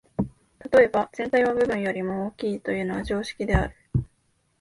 例えば、「全体は部分よりも大きい」というのは常識である。